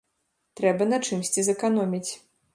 Трэба на чымсьці зэканоміць.